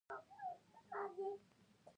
صدرۍ او کرتۍ دواړه اغوستل کيږي.